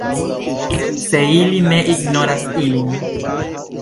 Se ili ne ignoras ilin.